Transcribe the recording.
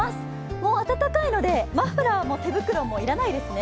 もう暖かいのでマフラーも手袋も要らないですね。